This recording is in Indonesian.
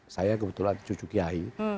saya kebetulan cucu kiai